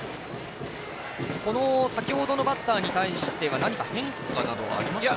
先ほどのバッターに対しては何か変化などはありましたか？